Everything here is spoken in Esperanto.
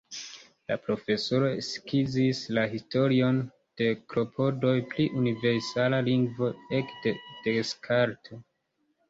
La profesoro skizis la historion de klopodoj pri universala lingvo ekde Descartes.